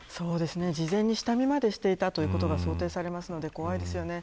事前に下見までしていたということが想定されるので怖いですね。